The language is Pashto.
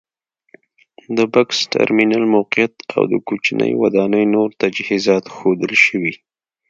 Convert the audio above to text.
د بکس ترمینل موقعیت او د کوچنۍ ودانۍ نور تجهیزات ښودل شوي.